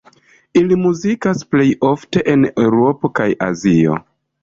Ili muzikas plej ofte en Eŭropo kaj Azio.